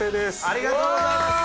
ありがとうございます。